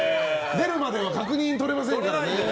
出るまでは確認取れませんから。